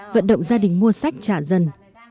vận động gia đình mua sách trả dần